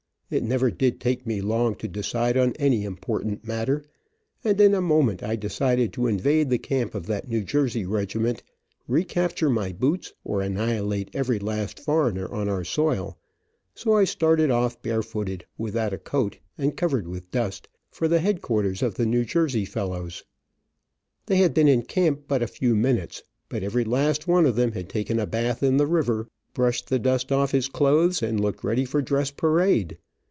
It never did take me long to decide on any important matter, and in a moment I decided to invade the camp of that New Jersey regiment, recapture my boots or annihilate every last foreigner on our soil, so I started off, barefooted, without a coat, and covered with dust, for the headquarters of the New Jersey fellows. They had been in camp but a few minutes, but every last one of them had taken a bath in the river, brushed the dust off his clothes, and looked ready for dress parade.